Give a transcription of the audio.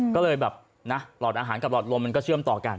ก็เลยแบบนะหลอดอาหารกับหลอดลมมันก็เชื่อมต่อกัน